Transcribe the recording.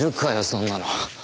そんなの。